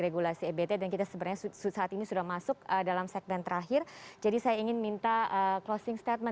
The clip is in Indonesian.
soalnya saya ingin mengucapkan kepada pemerintah